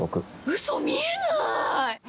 ウソ見えない。